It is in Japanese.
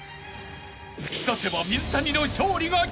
［突き刺せば水谷の勝利が決定］